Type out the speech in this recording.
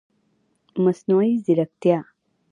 مصنوعي ځرکتیا